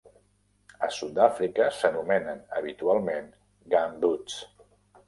A Sudàfrica s'anomenen habitualment "gumboots".